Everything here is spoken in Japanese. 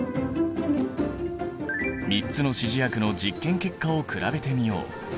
３つの指示薬の実験結果を比べてみよう。